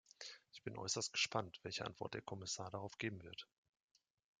Ich bin äußerst gespannt, welche Antwort der Kommissar darauf geben wird.